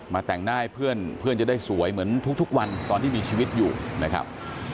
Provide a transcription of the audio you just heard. แต่งหน้าให้เพื่อนจะได้สวยเหมือนทุกวันตอนที่มีชีวิตอยู่นะครับ